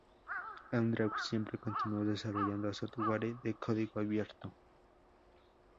Andrew siempre continuo desarrollando software de código abierto.